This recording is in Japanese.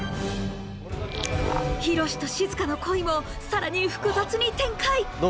ヒロシとしずかの恋も更に複雑に展開